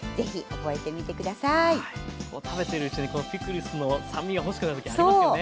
こう食べてるうちにこのピクルスの酸味が欲しくなる時ありますよね。